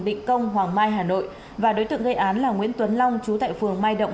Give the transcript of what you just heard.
định công hoàng mai hà nội và đối tượng gây án là nguyễn tuấn long chú tại phường mai động